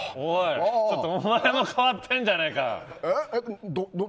ちょっとお前も変わってるじゃないか！